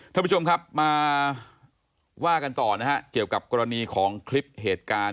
ท่านผู้ชมครับมาว่ากันต่อนะฮะเกี่ยวกับกรณีของคลิปเหตุการณ์